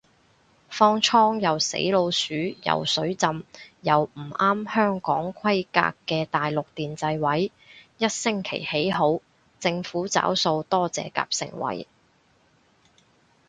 方艙又死老鼠又水浸又唔啱香港規格嘅大陸電掣位，一星期起好，政府找數多謝夾盛惠